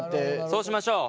そうしましょう。